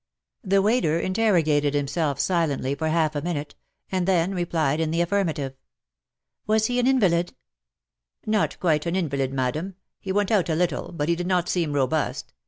The waiter interrogated himself silently for half a minute^ and then replied in the affirmative. " Was he an invalid T' " Not quite an invalid, Madame. He went out a little — but he did not seem robust.